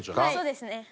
そうですね。